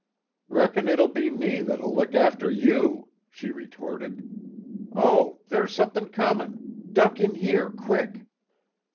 "Reckon it'll be me that'll look after you!" she retorted. "Oh, there's somethin' comin'! Duck in here, quick!"